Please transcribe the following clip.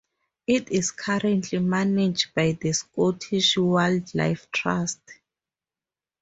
It is currently managed by the Scottish Wildlife Trust.